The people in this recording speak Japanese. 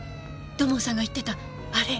土門さんが言ってたあれ。